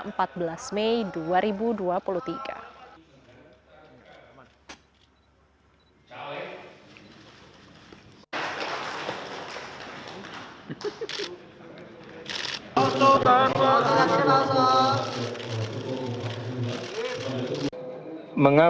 kepala kepala kepala